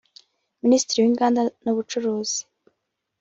Ministiri w’Inganda n’ubucuruzi